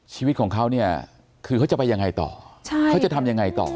ชีวิตของเขาเนี่ยคือเขาจะไปยังไงต่อใช่เขาจะทำยังไงต่อ